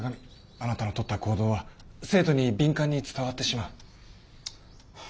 あなたのとった行動は生徒に敏感に伝わってしまう。